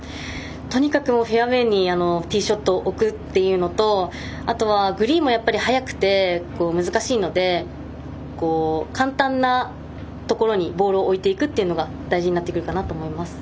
とにかくフェアウエーにティーショットを置くというのとあとはグリーンも速くて難しいので、簡単なところにボールを置いていくというのが大事になってくるかなと思います。